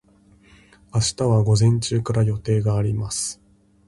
明日は午前中から予定があります。